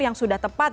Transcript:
yang sudah tepat